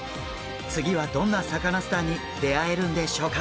次はどんなサカナスターに出会えるんでしょうか。